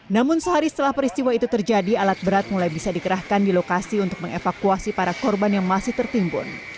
namun sehari setelah peristiwa itu terjadi alat berat mulai bisa dikerahkan di lokasi untuk mengevakuasi para korban yang masih tertimbun